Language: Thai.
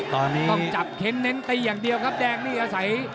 ตอนนี้ต้องจับเค้นเน้นตีอย่างเดียวครับแดงนี่อาศัย